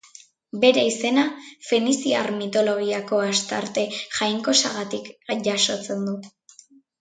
Bere izena feniziar mitologiako Astarte jainkosagatik jasotzen du.